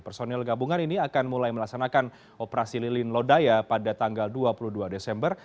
personil gabungan ini akan mulai melaksanakan operasi lilin lodaya pada tanggal dua puluh dua desember